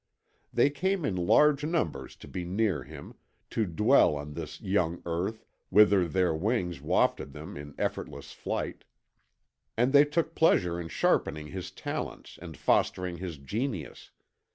They came in large numbers to be near him, to dwell on this young earth whither their wings wafted them in effortless flight. And they took pleasure in sharpening his talents and fostering his genius.